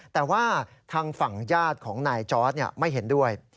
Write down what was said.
แต่ว่าทางฝั่งญาติของนายจอร์ดไม่เห็นด้วย